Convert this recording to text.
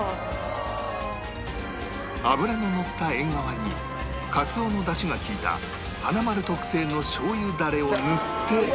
脂ののったえんがわにかつおのだしが利いた花まる特製のしょう油ダレを塗って炙る